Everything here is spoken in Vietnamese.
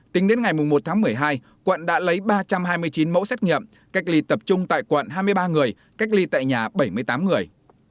tính đến ngày một tháng một mươi hai quận đã lấy ba trăm hai mươi chín mẫu xét nghiệm cách ly tập trung tại quận hai mươi ba người cách ly tại nhà bảy mươi tám người